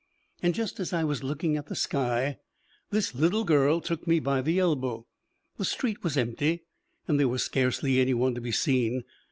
And just as I was looking at the sky, this little girl took me by the elbow. The street was empty, and there was scarcely any one to be seen.